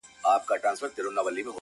چي د حق ناره کړي پورته له ممبره،